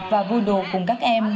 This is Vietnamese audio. và vui đùa cùng các em